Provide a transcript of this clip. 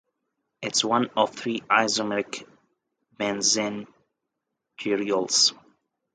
It is one of three isomeric benzenetriols.